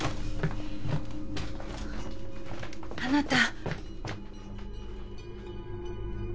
あなた。